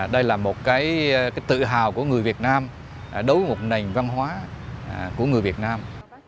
đây là một cái tự hào của người việt nam đối với một nền văn hóa của người việt nam